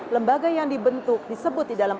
lembaga yang dibentuk disebut di dalam